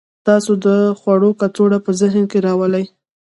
تاسو د خوړو کڅوړه په ذهن کې راولئ